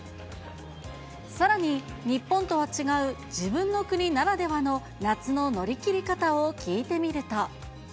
さらに、日本とは違う自分の国ならではの夏の乗りきり方を聞いてみると。